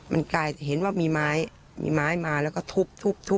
มันกลายเห็นว่ามีไม้มีไม้มาแล้วก็ทุบทุบ